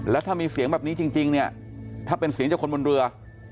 แล้วถ้ามีเสียงแบบนี้จริงเนี่ยถ้าเป็นเสียงจากคนบนเรือ